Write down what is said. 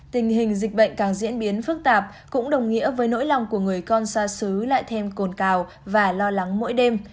tình hình dịch bệnh càng diễn biến phức tạp cũng đồng nghĩa với nỗi lòng của người con xa xứ lại thêm cồn cào và lo lắng mỗi đêm